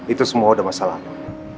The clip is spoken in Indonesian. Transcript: itu semua udah masalahmu